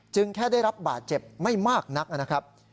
แค่ได้รับบาดเจ็บไม่มากนักนะครับ